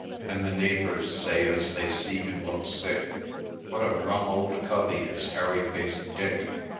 ' And the neighbours say, as they see him look sick, ' What a rum old covey is Hairy faced Dick